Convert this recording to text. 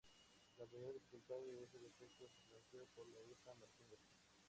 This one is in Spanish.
La mayor dificultad a este respecto se planteó por la isla Martín García.